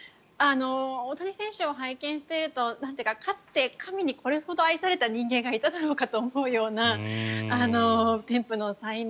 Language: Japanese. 大谷選手を拝見しているとかつて神にこれほど愛された人間がいただろうかと思うような天賦の才能